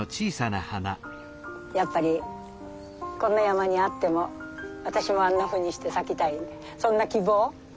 やっぱりこんな山にあっても私もあんなふうにして咲きたいそんな希望。